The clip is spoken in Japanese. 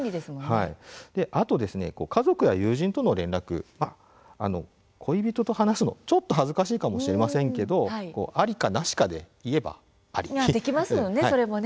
あとは家族や友人との連絡恋人と話すのは少し恥ずかしいかもしれませんけれどもありか、なしかで言えばありです。